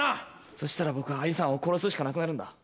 そしたら僕は兄さんを殺すしかなくなるんだ。